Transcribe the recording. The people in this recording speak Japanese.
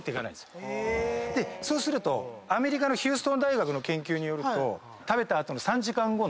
アメリカのヒューストン大学の研究によると。